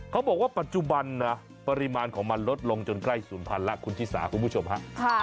เขาบอกว่าปัจจุบันนะปริมาณของมันลดลงจนใกล้ศูนย์พันธุ์แล้วคุณชิสาคุณผู้ชมฮะ